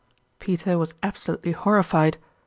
" Peter was absolutely horrified